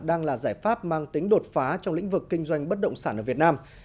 đang là giải pháp mang tính đột phá trong lĩnh vực kinh doanh bất động sản ở việt nam